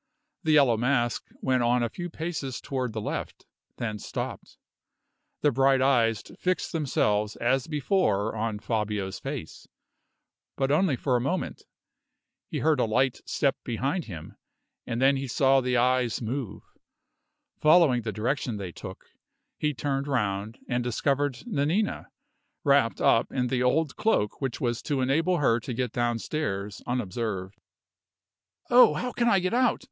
The Yellow Mask went on a few paces toward the left, then stopped. The bright eyes fixed themselves as before on Fabio's face, but only for a moment. He heard a light step behind him, and then he saw the eyes move. Following the direction they took, he turned round, and discovered Nanina, wrapped up in the old cloak which was to enable her to get downstairs unobserved. "Oh, how can I get out?